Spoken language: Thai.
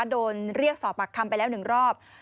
โดนเรียกสอบปากคำไปแล้ว๑รอบ